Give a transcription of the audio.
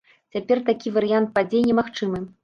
Цяпер такі варыянт падзей немагчымы.